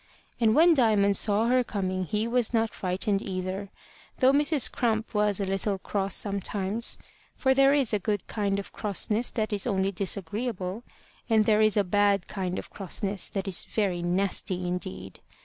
And when Diamond saw her coming he was not frightened either, though Mrs. Crump was a little cross sometimes; for there is a good kind of crossness that is only disagreeable, and there is a bad kind of crossness that is very nasty indeed.